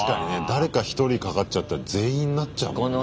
誰か１人かかっちゃったら全員なっちゃうもんな。